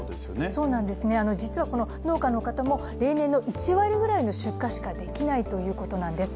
そうなんです、実はこの農家の方も例年の１割ぐらいの出荷しかできないということなんです。